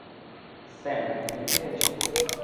Sam, তুমি পেরেছ!